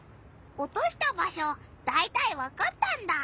おとした場しょだいたいわかったんだ。